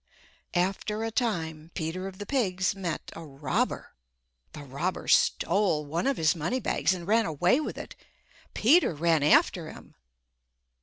After a time Peter of the pigs met a robber. The robber stole one of his money bags and ran away with it. Peter ran after him.